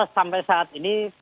sampai saat ini